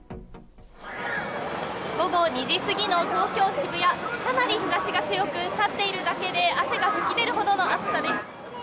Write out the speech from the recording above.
午後２時過ぎの東京・渋谷、かなり日ざしが強く、立っているだけで汗が噴き出るほどの暑さです。